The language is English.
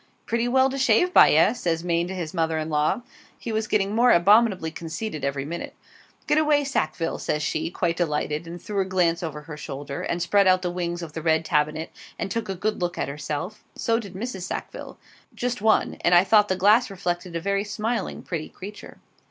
'Pretty well to shave by, eh?' says Maine to his mother in law. (He was getting more abominably conceited every minute.) 'Get away, Sackville,' says she, quite delighted, and threw a glance over her shoulder, and spread out the wings of the red tabinet, and took a good look at herself; so did Mrs. Sackville just one, and I thought the glass reflected a very smiling, pretty creature.